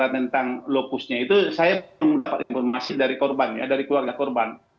karena tentang lopusnya itu saya belum mendapat informasi dari korban ya dari keluarga korban